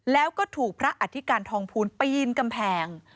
แล้วก็ถูกพระอธิการทองภูลปีนกำแพง